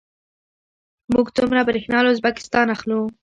موږ څومره بریښنا له ازبکستان اخلو؟